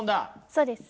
そうです。